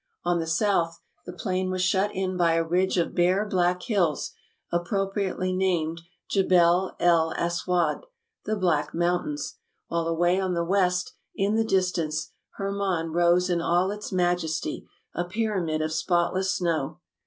On the south the plain was shut in by a ridge of bare, black hills, appropriately named Jebel el Aswad, "The Black Mountains"; while away on the west, in the distance, Hermon rose in all its majesty, a pyramid of spot less snow.